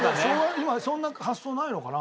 今そんな発想ないのかな？